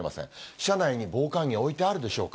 車内に防寒着は置いてあるでしょうか？